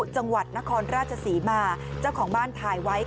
จังหวัดนครราชศรีมาเจ้าของบ้านถ่ายไว้